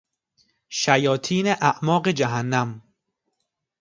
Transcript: شیاطین اعماق جهنم